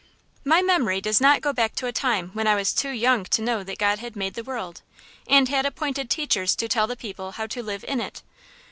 My memory does not go back to a time when I was too young to know that God had made the world, and had appointed teachers to tell the people how to live in it.